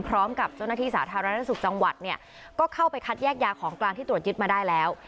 พร้อมกับเจ้าหน้าที่สาธารณสุขจังหวัดเนี่ยก็เข้าไปคัดแยกยาของกลางที่ตรวจยึดมาได้แล้ว